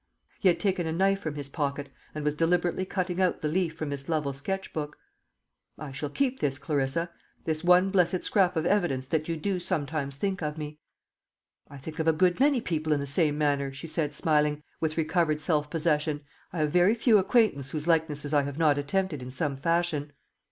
He had taken a knife from his pocket, and was deliberately cutting out the leaf from Miss Lovel's sketch book. "I shall keep this, Clarissa, this one blessed scrap of evidence that you do sometimes think of me." "I think of a good many people in the same manner," she said, smiling, with recovered self possession. "I have very few acquaintance whose likenesses I have not attempted in some fashion."